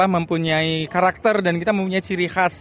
mempunyai karakter dan kita mempunyai ciri khas